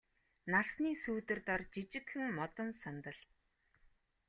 Нарсны сүүдэр дор жижигхэн модон сандал.